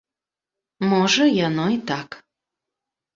Можа, яно і так.